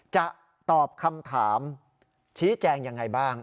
จะตอบคำถามชี้แจงยังไงบ้าง